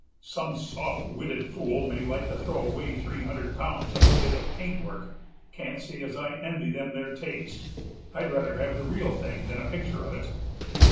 "Some soft witted fools may like to throw away three hundred pounds on a bit of paintwork; can't say as I envy them their taste. I'd rather have the real thing than a picture of it."